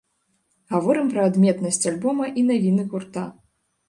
Гаворым пра адметнасць альбома і навіны гурта.